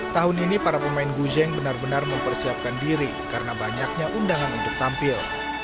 tahun ini para pemain guzeng benar benar mempersiapkan diri karena banyaknya undangan untuk tampil